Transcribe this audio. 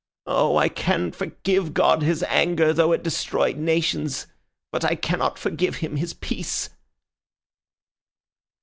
Oh, I can forgive God His anger, though it destroyed nations; but I cannot forgive Him His peace."